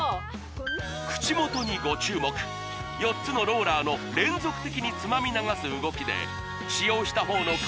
４つのローラーの連続的につまみ流す動きで使用した方の顔